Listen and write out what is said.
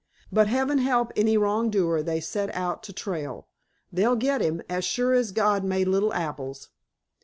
But Heaven help any wrong doer they set out to trail! They'll get him, as sure as God made little apples."